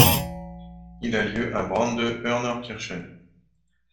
Il a lieu à Brande-Hörnerkirchen.